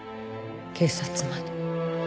警察まで。